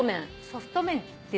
ソフト麺っていうのは。